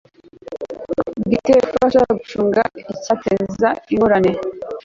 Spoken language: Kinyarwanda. bwite gufasha gucunga icyateza ingorane